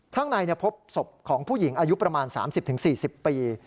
ข้างในพบศพของผู้หญิงอายุประมาณ๓๐๔๐ปี